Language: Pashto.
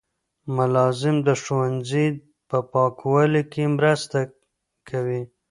ملازم د ښوونځي په پاکوالي کې مرسته کوي.